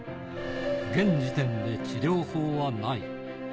現時点で治療法はない。